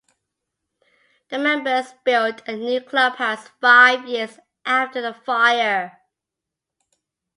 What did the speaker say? The members built a new clubhouse five years after the fire.